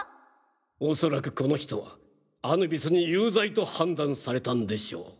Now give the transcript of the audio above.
おそらくこの人はアヌビスに有罪と判断されたんでしょう。